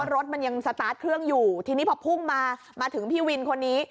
รถมันยังสตาร์ทเครื่องอยู่ทีนี้พอพุ่งมามาถึงพี่วินคนนี้